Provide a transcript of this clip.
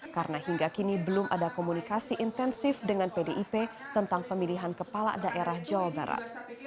karena hingga kini belum ada komunikasi intensif dengan pdip tentang pemilihan kepala daerah jawa barat